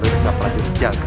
pemeriksa prajurit jaga